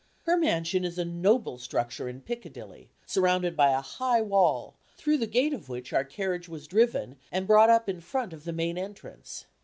Her mansion is a noble structure in Piccadilly, surrounded by a high wall, through the gate of which our carriage was driven, and brought up in front of the main entrance.